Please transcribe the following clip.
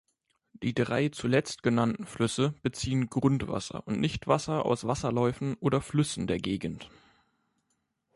Die drei zuletzt genannten Flüsse beziehen Grundwasser und nicht Wasser aus Wasserläufen oder Flüssen der Gegend.